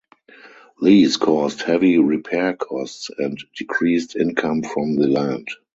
These caused heavy repair costs and decreased income from the land.